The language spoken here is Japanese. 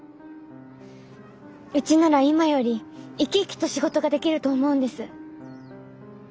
うちなら今より生き生きと仕事ができると思うんです。